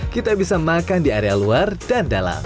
kita bisa makan di area luar dan dalam